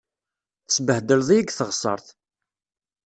Tesbehdleḍ-iyi deg teɣsert.